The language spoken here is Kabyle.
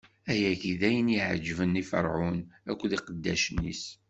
Ayagi d ayen i yeɛeǧben i Ferɛun akked iqeddacen-is.